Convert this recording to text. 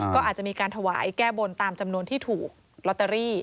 ก็อาจจะมีการถวายแก้บนตามจำนวนที่ถูกลอตเตอรี่